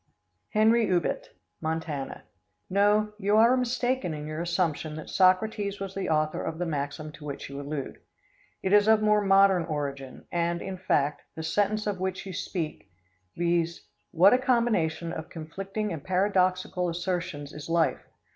Henry Ubet, Montana. No, you are mistaken in your assumption that Socrates was the author of the maxim to which you allude. It is of more modern origin, and, in fact, the sentence of which you speak, viz: "What a combination of conflicting and paradoxical assertions is life?